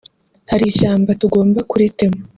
hari ishyamba tugomba kuritema